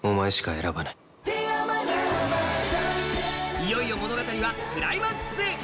いよいよドラマはクライマックスへ。